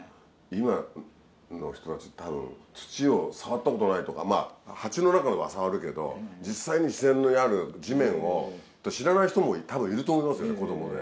今の人たち多分土を触ったことないとか鉢の中のは触るけど実際に自然にある地面を知らない人も多分いると思いますよ子どもで。